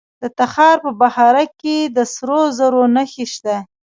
د تخار په بهارک کې د سرو زرو نښې شته.